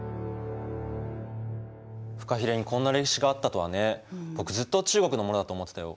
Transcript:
フカヒレにこんな歴史があったとはね僕ずっと中国のものだと思ってたよ。